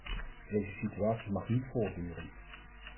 Deze situatie mag niet voortduren.